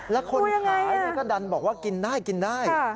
แล้วคนขายก็ดันบอกว่ากินได้กินได้